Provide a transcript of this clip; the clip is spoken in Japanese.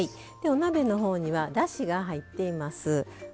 お鍋のほうにはだしが入っています。